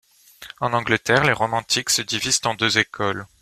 En Angleterre, les romantiques se divisent en deux écoles.